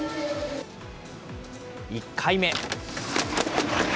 １回目。